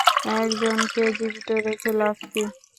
একজনকে জীবিত রেখে লাভ কী?